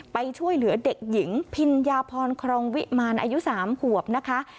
ไปช่วยเหลือเด็กหญิงพิญญาพรครองวิมารอายุ๓ขวบนะคะ